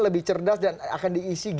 lebih cerdas dan akan diisi